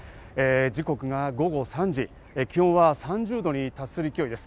時刻は午後３時、気温は３０度に達する勢いです。